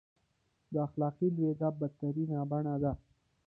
د اخلاقي لوېدا بدترینه بڼه ده.